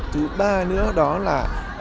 thứ ba nữa đó là